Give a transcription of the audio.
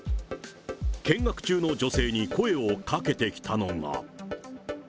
見学中の女性に声をかけてきたのが。